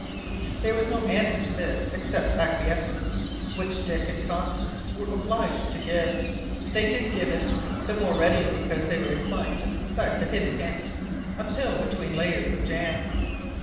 There was no answer to this except acquiescence, which Dick and Constance were obliged to give. They did give it: the more readily because they were inclined to suspect a hidden hint, a pill between layers of jam.